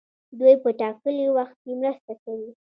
دوی په ټاکلي وخت کې مرسته کوي.